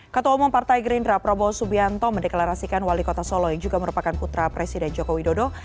ketua umum partai gerindra prabowo subianto mendeklarasikan wali kota solo yang juga merupakan putra presiden joko widodo